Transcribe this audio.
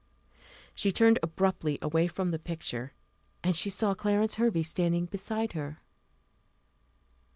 She turned abruptly away from the picture, and she saw Clarence Hervey standing beside her.